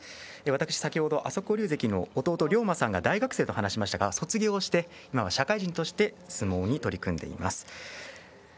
先ほど、朝紅龍関の弟さん涼馬さんが大学生と話をしましたが、もう卒業して社会人として相撲に取り組んでいます。